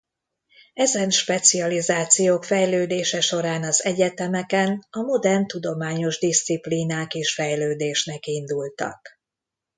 Ezen specializációk fejlődése során az egyetemeken a modern tudományos diszciplínák is fejlődésnek indultak.